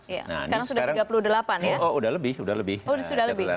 sekarang sudah tiga puluh delapan ya